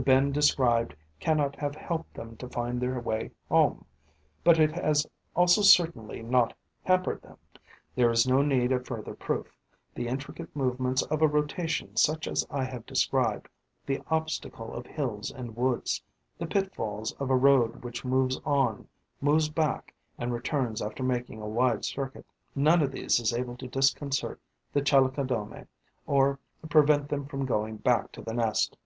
The bend described cannot have helped them to find their way home; but it has also certainly not hampered them. There is no need of further proof. The intricate movements of a rotation such as I have described; the obstacle of hills and woods; the pitfalls of a road which moves on, moves back and returns after making a wide circuit: none of these is able to disconcert the Chalicodomae or prevent them from going back to the nest.